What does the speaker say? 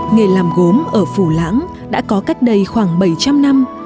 nghề làm gốm ở phù lãng đã có cách đây khoảng bảy trăm linh năm